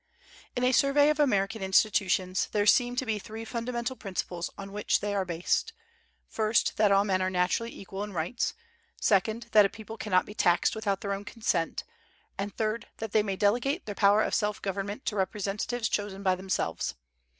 In a survey of American Institutions there seem to be three fundamental principles on which they are based: first, that all men are naturally equal in rights; second, that a people cannot be taxed without their own consent; and third, that they may delegate their power of self government to representatives chosen by themselves.